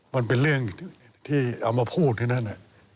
มันเป็นเรื่องที่เอามาพูดแค่นั้น